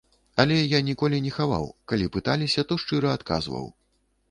Але я ніколі не хаваў, калі пыталіся, то шчыра адказваў.